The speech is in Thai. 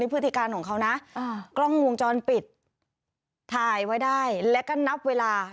พฤติการของเขานะกล้องวงจรปิดถ่ายไว้ได้แล้วก็นับเวลา